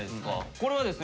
これはですね